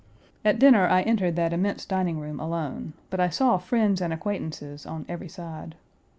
At dinner I entered that immense dining room alone, but I saw friends and acquaintances on every side.